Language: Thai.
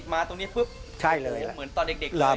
๖๐๗๐มาตรงนี้ก็เหมือนเด็กเขาเลย